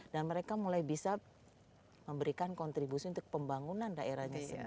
mereka mulai bisa memberikan kontribusi untuk pembangunan daerahnya sendiri